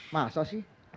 mas apa sih